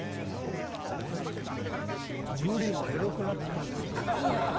ブリもエロくなってる。